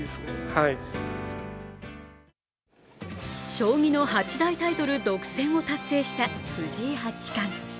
将棋の八大タイトル独占を達成した藤井八冠。